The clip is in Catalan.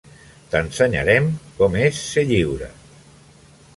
T'ensenyarem com és ser lliure.